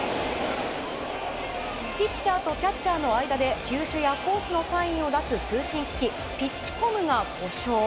ピッチャーとキャッチャーの間で球種やコースのサインを出す通信機器ピッチコムが故障。